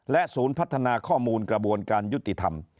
ศูนย์พัฒนาข้อมูลกระบวนการยุติธรรม